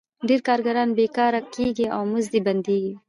ډېر کارګران بېکاره کېږي او مزد یې بندېږي